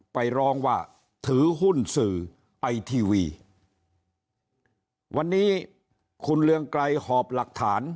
ไปร้องว่าถือหุ้นสื่อไอทีวีวันนี้คุณเรืองไกรหอบหลักฐาน